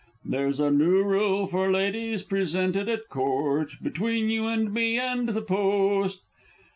_) There's a new rule for ladies presented at Court, Between you and me and the Post!